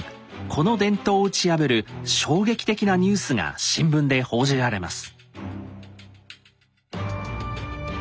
この伝統を打ち破る衝撃的なニュースが新聞で報じられます。